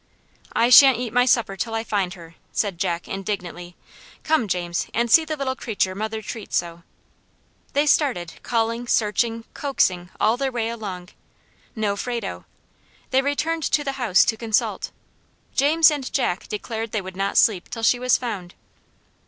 "I shan't eat my supper till I find her," said Jack, indignantly. "Come, James, and see the little creature mother treats so." They started, calling, searching, coaxing, all their way along. No Frado. They returned to the house to consult. James and Jack declared they would not sleep till she was found.